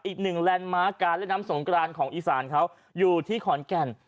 แลนด์มาร์คการเล่นน้ำสงกรานของอีสานเขาอยู่ที่ขอนแก่น